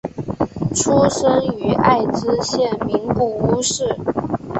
出生于爱知县名古屋市。